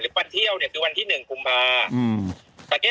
หรือวันเที่ยวเนี่ยคือวันที่หนึ่งกุมภาพอือ